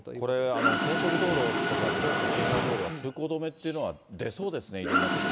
これ高速道路とか、自動車専用道路というのは通行止めというのは出そうですね、いろ